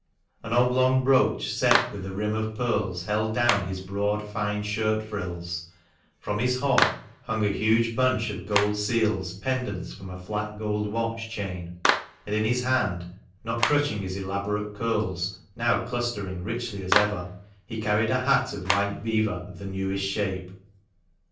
An oblong brooch set with a rim of pearls held down his broad fine shirt frills; from his fob hung a huge bunch of gold seals pendant from a flat gold watch chain ; and in his hand (not crushing his elaborate curls, now clustering richly as ever) he carried a hat of white beaver of the newest shape.